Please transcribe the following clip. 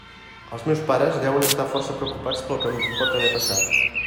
Els meus pares deuen estar força preocupats pel que em pot haver passat.